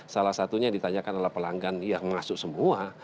salah satunya ditanyakan oleh pelanggan ya mengasuh semua